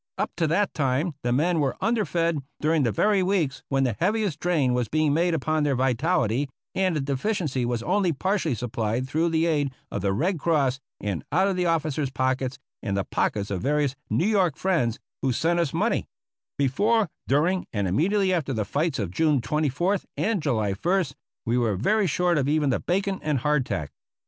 Up to that time the i»eQ were under fed, during the very weeks when the 274 APPENDIX B Heaviest drain was being made upon tlieir vitality, and the deficiency was only partially supplied through the aid of the Red Cross, and out of the officers' pockets and the pockets of various New York friends who sent us money Before, during, and immediately after the fights of June 24th and July ist, we were very short of even the bacon and hardtack.